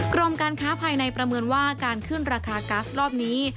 กรมการค้าภายในประเมินว่าการขึ้นราคาก๊าซรอบนี้